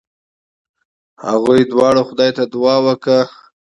هغوی دواړو خدای ته دعا وکړه.